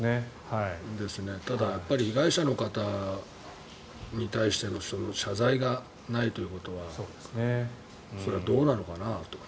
ただやっぱり被害者の方に対しての謝罪がないということはそれはどうなのかなと。